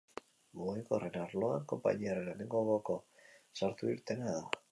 Mugikorren arloan konpainiaren lehenengoko sartu-irtena da.